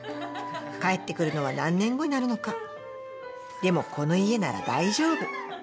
帰って来るのは何年後になるのかでもこの家なら大丈夫